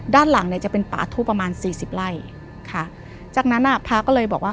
ดูห้องพักเธอเป็นยังไงบ้างจะต้องบอกแม่